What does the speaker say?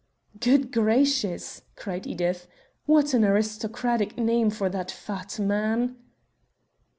"Good gracious," cried Edith, "what an aristocratic name for that fat man."